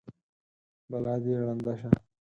بلا دې ړنده شه!